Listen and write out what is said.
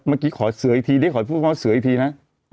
เมื่อกี้ขอเสืออีกทีได้ขอให้พูดว่าเสืออีกทีนะ